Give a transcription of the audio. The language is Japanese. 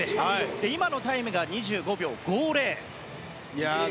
今のタイムが２５秒５０。